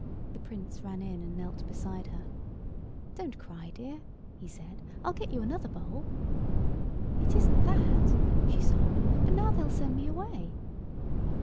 The Prince ran in and knelt beside her. "Don't cry, dear," he said, "I'll get you another bowl." "It isn't that," she sobbed, "but now they'll send me away."